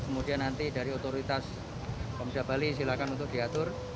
kemudian nanti dari otoritas pemuda bali silakan untuk diatur